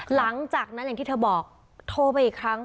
หลังจากนั้นอย่างที่เธอบอกโทรไปอีกครั้ง